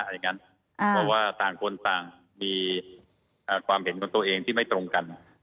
เพราะว่าต่างคนต่างมีความเห็นของตัวเองที่ไม่ตรงกัน